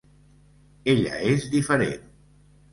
Ella és diferent.